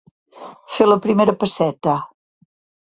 Fer la primera pesseta.